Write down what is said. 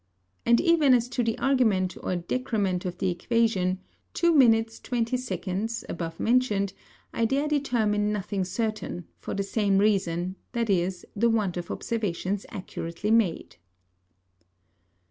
And even as to the Argument or Decrement of the Equation, 2 minutes, 20 seconds, above mentioned, I dare determine nothing certain, for the same Reason, viz. the want of Observations accurately made.